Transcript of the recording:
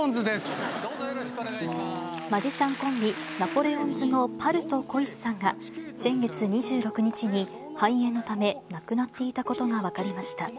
マジシャンコンビ、ナポレオンズのパルト小石さんが、先月２６日に、肺炎のため、亡くなっていたことが分かりました。